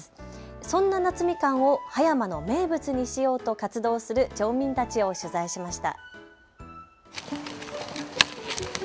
そんな夏みかんを葉山の名物にしようと活動する町民たちを取材しました。